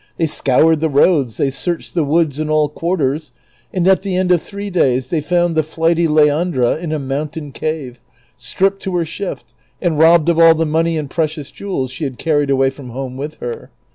They scoured the roads, tliey searched the woods and all quarters, and at the end of three days they found the Highty Leandra in a mountain cave, stript to her shift, and robbed of all the money and precious jewels she had carried away from home with her.